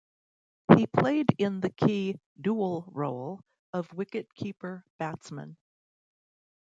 He played in the key dual role of wicketkeeper-batsman.